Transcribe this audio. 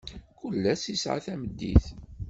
Kul ass isɛa tameddit.